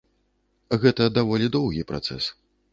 Гэта даволі доўгі працэс.